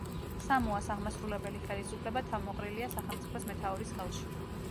სამოას აღმასრულებელი ხელისუფლება თავმოყრილია სახელმწიფოს მეთაურის ხელში.